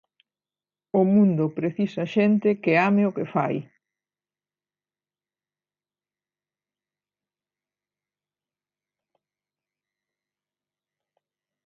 O mundo precisa xente que ame o que fai.